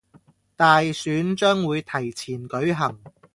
大選將會提前舉行